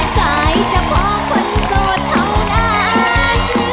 ใจเฉพาะคนโสดเท่านั้น